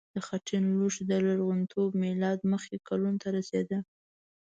د خټین لوښي لرغونتوب میلاد مخکې کلونو ته رسیده.